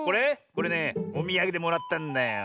これねおみやげでもらったんだよ。